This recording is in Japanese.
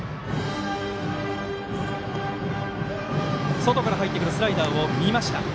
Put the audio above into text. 外から入ってくるスライダーを見ました。